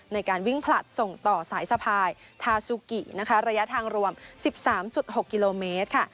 ในการวิ่งผลัดส่งต่อสายสะพายทาซูกินะคะระยะทางรวม๑๓๖กิโลเมตรค่ะ